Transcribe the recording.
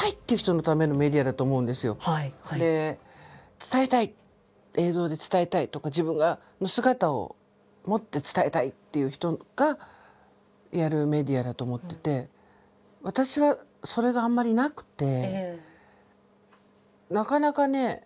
伝えたい映像で伝えたいとか自分の姿をもって伝えたいっていう人がやるメディアだと思ってて私はそれがあんまりなくてなかなかね